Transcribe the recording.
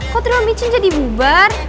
kok trio micin jadi bubar